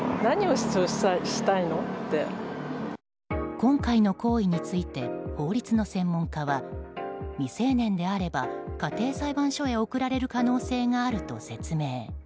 今回の行為について法律の専門家は未成年であれば、家庭裁判所へ送られる可能性があると説明。